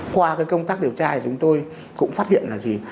qua cái công tác điều tra thì chúng tôi cũng phát hiện là gì